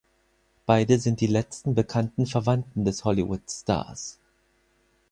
Beide sind die letzten bekannten Verwandten des Hollywoodstars.